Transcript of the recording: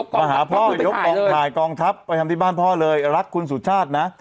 มาหาพ่อยกกองถ่ายกองทัพไปทำที่บ้านพ่อเลยรักคุณสุชาตินะ